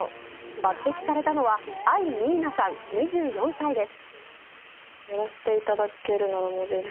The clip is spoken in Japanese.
抜擢されたのは藍にいなさん、２４歳です。